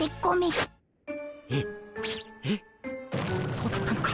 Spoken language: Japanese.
そうだったのか。